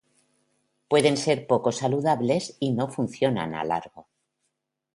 pueden ser poco saludables y no funcionan a largo